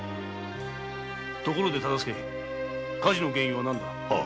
ところで大岡火事の原因は何だ？